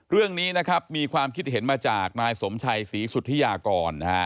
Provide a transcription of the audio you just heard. เรื่องนี้นะครับมีความคิดเห็นมาจากนายสมชัยศรีสุธิยากรนะฮะ